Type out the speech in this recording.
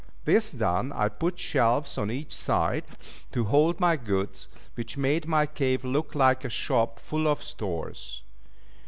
This done, I put shelves on each side, to hold my goods, which made my cave look like a shop full of stores.